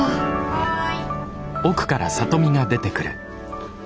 ・はい。